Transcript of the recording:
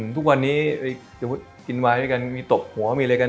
ทุกวันนี้กินไว้ด้วยกันมีตบหัวมีอะไรกัน